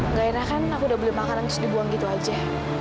nggak enakan aku udah beli makanan terus dibuang gitu saja